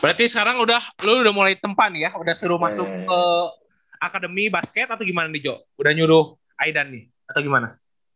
berarti sekarang lo udah mulai tempat ya udah suruh masuk ke akademi basket atau gimana nih joe udah nyuruh idan nih atau gimana